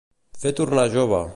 Fer tornar jove.